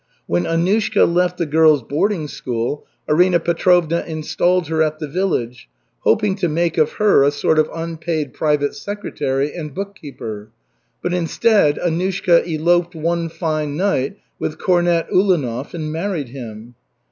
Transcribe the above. When Annushka left the girls' boarding school, Arina Petrovna installed her at the village, hoping to make of her a sort of unpaid private secretary and bookkeeper, but instead Annushka eloped one fine night with cornet Ulanov and married him.